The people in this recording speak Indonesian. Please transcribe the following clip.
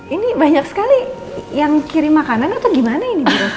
ini banyak sekali yang kirim makanan atau gimana ini